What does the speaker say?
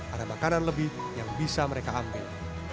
ada makanan lebih yang bisa mereka ambil